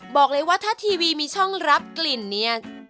บอกเลยว่าถ้าทีวีมีช่องรับกลิ่นเนี่ย